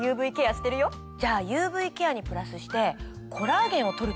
じゃあＵＶケアにプラスしてコラーゲンを取るといいよ。